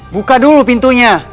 buka dulu pintunya